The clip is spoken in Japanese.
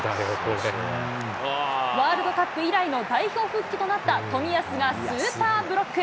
ワールドカップ以来の代表復帰となった冨安がスーパーブロック。